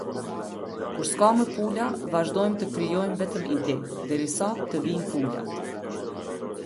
Kur ska më pula vazhdojmë të krijojmë vetëm ide, derisa të vinë pulat.